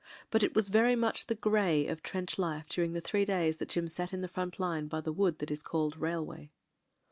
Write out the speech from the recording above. But it was very much the "grey" of trench life during the three days that Jim sat in the front line by the wood that is called "Railway."